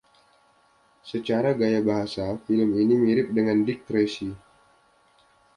Secara gaya bahasa, film ini mirip dengan Dick Tracy.